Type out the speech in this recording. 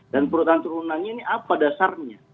dan peraturan turunannya ini apa dasarnya